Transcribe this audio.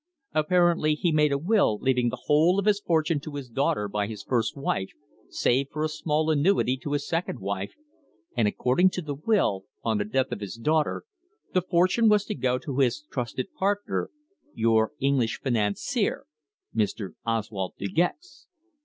Apparently he made a will leaving the whole of his fortune to his daughter by his first wife save for a small annuity to his second wife and according to the will, on the death of his daughter the fortune was to go to his trusted partner, your English financier, Mr. Oswald De Gex."